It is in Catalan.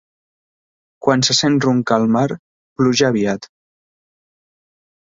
Quan se sent roncar el mar, pluja aviat.